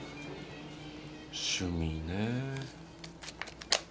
趣味ねぇ。